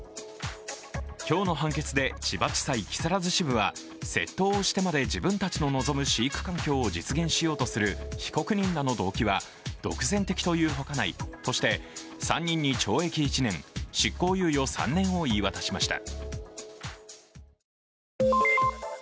今日の判決で千葉地裁木更津支部は窃盗をしてまで自分たちの望む飼育環境を実現しようとする被告人らの動機は独善的というほかないとして３人に懲役１年・執行猶予３年を言い渡しました。